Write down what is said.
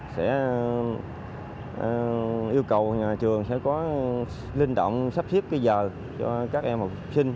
sẽ yêu cầu nhà trường sẽ có linh động sắp xếp bây giờ cho các em học sinh